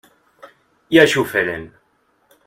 I així ho feren.